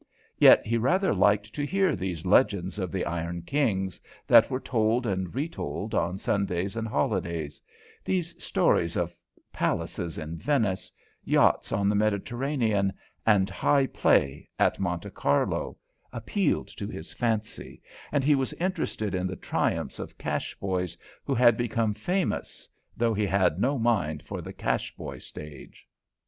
Yet he rather liked to hear these legends of the iron kings, that were told and retold on Sundays and holidays; these stories of palaces in Venice, yachts on the Mediterranean, and high play at Monte Carlo appealed to his fancy, and he was interested in the triumphs of cash boys who had become famous, though he had no mind for the cash boy stage.